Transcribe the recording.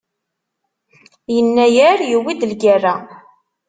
Yennayer yuwi-d lgerra.